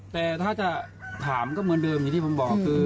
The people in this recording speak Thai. แต่ถ้าจะถามก็เหมือนเดิมยุติบอก